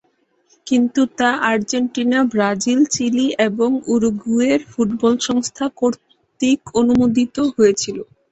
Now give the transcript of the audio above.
কিন্তু তা Argentina, Brazil, Chile এবং উরুগুয়ের ফুটবল সংস্থা কর্তৃক অনুমোদিত হয়েছিল।